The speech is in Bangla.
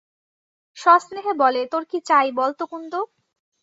সস্নহে বলে, তোর কী চাই বল্ তো কুন্দ?